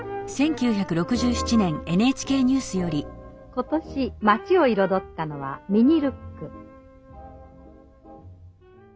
今年街を彩ったのはミニルック。